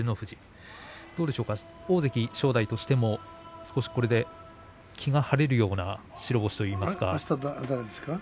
大関正代としても少しこれで気が晴れるような白星といいますか。